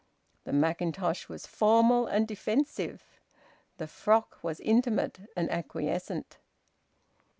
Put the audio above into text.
The mackintosh was formal and defensive; the frock was intimate and acquiescent.